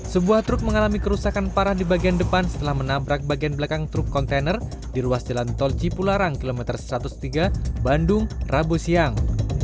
sebuah truk mengalami kerusakan parah di bagian depan setelah menabrak bagian belakang truk kontainer di ruas jalan tol cipularang kilometer satu ratus tiga bandung rabu siang